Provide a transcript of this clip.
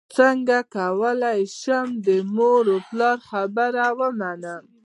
څنګه کولی شم د مور او پلار خبره ومنم